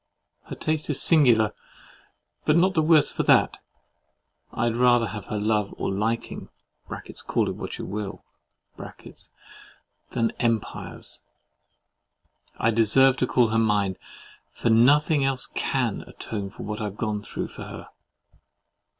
Her taste is singular, but not the worse for that. I'd rather have her love, or liking (call it what you will) than empires. I deserve to call her mine; for nothing else CAN atone for what I've gone through for her.